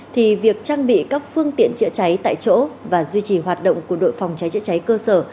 thì việc trang bị các phương tiện chữa cháy tại chỗ và duy trì hoạt động của đội phòng cháy chữa cháy cơ sở